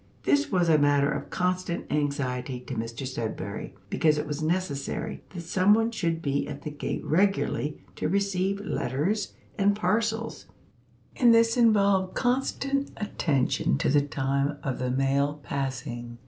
This was a matter of constant anxiety to Mr Sudberry, because it was necessary that someone should be at the gate regularly to receive letters and parcels, and this involved constant attention to the time of the mail passing.